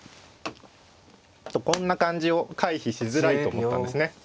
こんな感じを回避しづらいと思ったんですね。